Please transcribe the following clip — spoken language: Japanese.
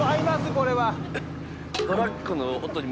これは。